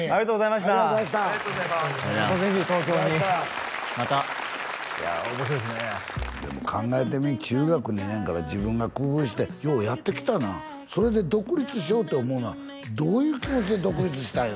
またぜひ東京にまたいや面白いっすねでも考えてみ中学２年から自分が工夫してようやってきたなそれで独立しようって思うのはどういう気持ちで独立したいの？